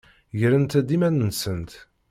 Grent-d iman-nsent.